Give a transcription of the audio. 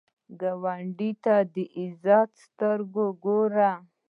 ګاونډي ته د عزت سترګو ګوره